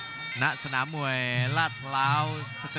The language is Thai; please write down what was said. วันนี้ดังนั้นก็จะเป็นรายการมวยไทยสามยกที่มีความสนุกความสนุกความเดือดนะครับ